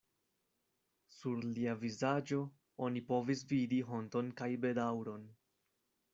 Sur lia vizaĝo oni povis vidi honton kaj bedaŭron.